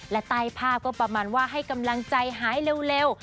และใต้ภาพก็ประมาณว่าให้กำลังใจหายเร็ว